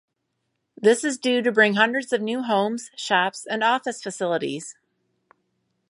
This is due to bring hundreds of new homes, shops and office facilities.